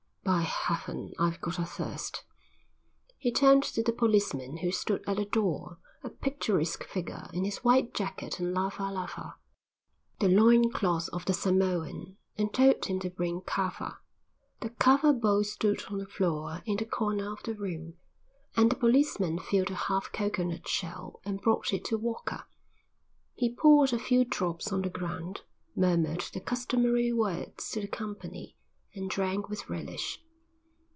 "By heaven, I've got a thirst." He turned to the policeman who stood at the door, a picturesque figure in his white jacket and lava lava, the loin cloth of the Samoan, and told him to bring kava. The kava bowl stood on the floor in the corner of the room, and the policeman filled a half coconut shell and brought it to Walker. He poured a few drops on the ground, murmured the customary words to the company, and drank with relish.